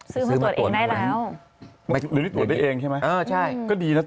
ซื้อมาตรวจเองได้แล้ว